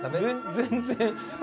全然。